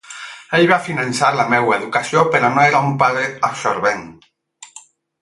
Ell va finançar la meva educació però no era un pare absorbent.